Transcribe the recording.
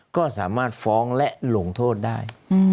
ก็สามารถฟ้องและหลงโทษได้